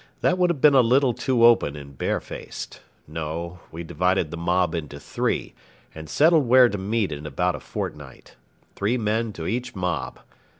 That would have been a little too open and barefaced. No; we divided the mob into three, and settled where to meet in about a fortnight. Three men to each mob.